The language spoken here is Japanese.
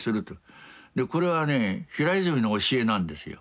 これはね平泉の教えなんですよ。